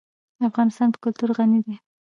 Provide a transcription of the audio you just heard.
افغانستان په کلتور غني دی.